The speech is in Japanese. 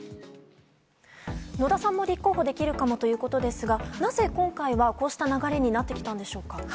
野田さんも立候補できるかもということですがなぜ今回はこうした流れになってきたんでしょうか。